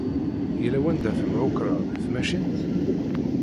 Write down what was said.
Yalla wanda temɛukkreḍ deg tmacint?